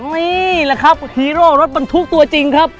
นี่แหละครับฮีโร่รถบรรทุกตัวจริงครับ